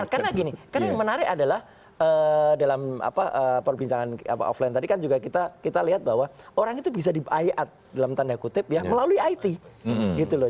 karena gini karena yang menarik adalah dalam perbincangan offline tadi kan juga kita lihat bahwa orang itu bisa dibayar dalam tanda kutip ya melalui it gitu loh